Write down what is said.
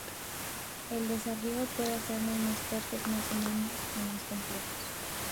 El desarraigo puede hacernos más fuertes, más humanos, más complejos.